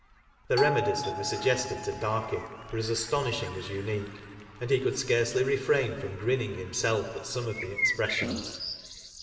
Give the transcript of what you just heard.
The remedies that were suggested to darkle were as astonishing as unique, and he could scarcely refrain from grinning himself at some of the expressions.